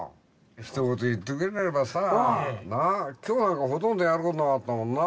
ひと言言ってくれればさなあ今日なんかほとんどやることなかったもんなあ。